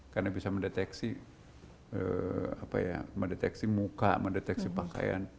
karena bisa mendeteksi apa ya mendeteksi muka mendeteksi pakaian